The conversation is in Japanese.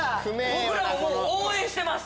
僕らも応援してます。